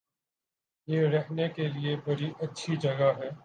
یہ رہنے کےلئے بڑی اچھی جگہ ہے